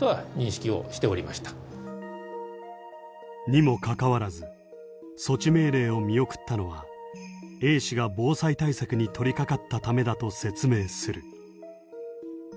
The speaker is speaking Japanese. にもかかわらず措置命令を見送ったのはＡ氏が防災対策に取りかかったためだと説明する。